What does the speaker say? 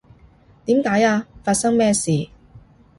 點解呀？發生咩事？